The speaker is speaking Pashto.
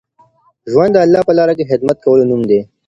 ژوند د الله په لاره کي د خدمت کولو نوم دی.